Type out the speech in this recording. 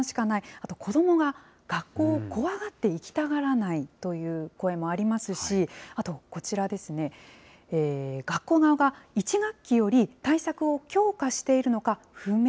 あと、子どもが学校を怖がって行きたがらないという声もありますし、あとこちらですね、学校側が１学期より対策を強化しているのか不明。